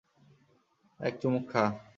এক চুমুক খা!